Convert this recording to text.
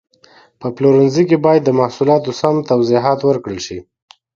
په پلورنځي کې باید د محصولاتو سمه توضیحات ورکړل شي.